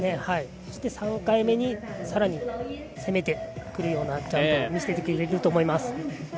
そして３回目に更に攻めてくるようなものを見せてくると思います。